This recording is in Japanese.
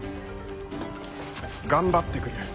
頑張ってくる。